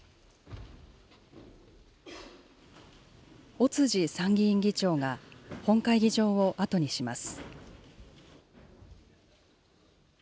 尾辻参議院議長が本会議場を後にします。